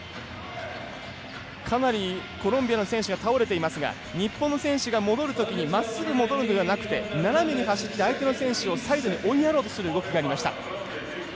かなりコロンビアの選手が倒れていますが日本の選手が戻るときにまっすぐ戻るのではなくて斜めに走って相手の選手をサイドに追いやろうとする動きがありました。